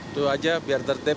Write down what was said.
itu aja biar tertip